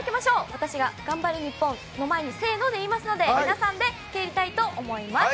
私が頑張れ日本の前にせーので言いますので皆さんで蹴りたいと思います。